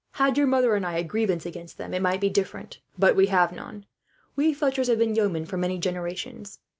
"Had your mother and I a grievance against them, it might be different; but we have none. We Fletchers have been yeomen here for many generations.